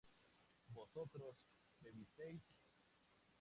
¿vosotros bebisteis?